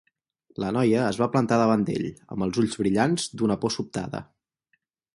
La noia es va plantar davant d'ell, amb els ulls brillants d'una por sobtada.